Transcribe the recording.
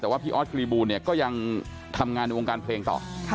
แต่ว่าพี่ออสกรีบูลเนี่ยก็ยังทำงานในวงการเพลงต่อ